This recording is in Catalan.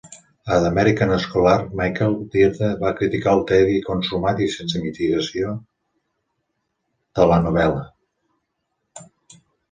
A "The American Scholar", Michael Dirda va criticar el "tedi consumat i sense mitigació" de la novel·la.